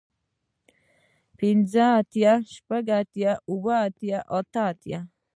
پنځۀ اتيا شپږ اتيا اووه اتيا اتۀ اتيا